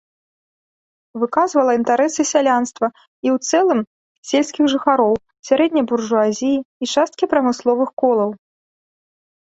Выказвала інтарэсы сялянства і ў цэлым сельскіх жыхароў, сярэдняй буржуазіі і часткі прамысловых колаў.